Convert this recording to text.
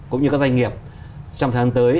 cũng như các doanh nghiệp trong thời gian tới